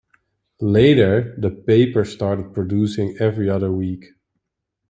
Later, the paper started producing every other week.